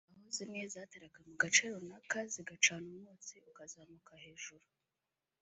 aho zimwe zateraga mu gace runaka zigacana umwotsi ukazamuka hejuru